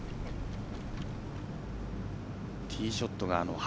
ティーショットが林。